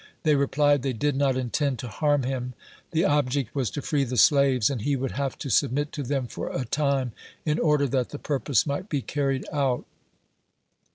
They replied, they did not intend to harm him ; the ob ject was to free the slaves, and he would have to submit to them for a time, in order that the purpose might be carried out.